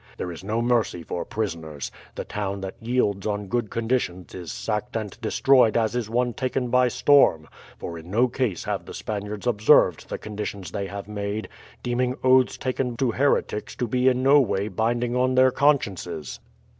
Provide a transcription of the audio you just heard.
There is no mercy for prisoners. The town that yields on good conditions is sacked and destroyed as is one taken by storm, for in no case have the Spaniards observed the conditions they have made, deeming oaths taken to heretics to be in no way binding on their consciences.